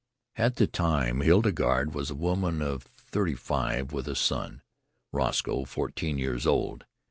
At that time Hildegarde was a woman of thirty five, with a son, Roscoe, fourteen years old.